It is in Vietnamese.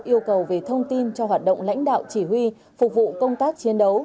yêu cầu về thông tin cho hoạt động lãnh đạo chỉ huy phục vụ công tác chiến đấu